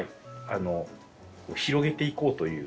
広げていこうという。